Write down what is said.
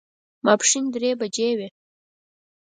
ماسپښین درې بجې وې.